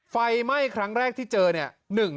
ไฟไหม้ครั้งแรกที่เจอเนี่ย